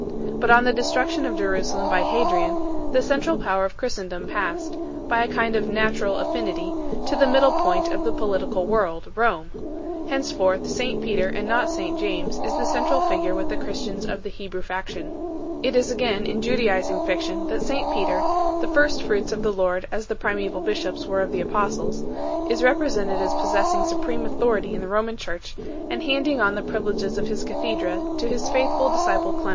But on the destruction of Jerusalem by Hadrian, the central power of Christendom passed, by a kind of natural affinity, to the middle point of the political world, Rome; henceforth, St Peter and not St James is the central figure with the Christians of the Hebrew fac tion. It is again in Judaizing fiction that St Peter the first fruits of the Lord as the primaeval bishops were of the apostles is represented as possessing supreme authority 1 Eutychius of Alexandria, Ec clesite suce Origines, from the Ara bic, in Seldeni Opera, n.